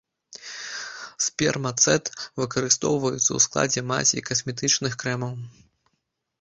Спермацэт выкарыстоўваецца у складзе мазей, касметычных крэмаў.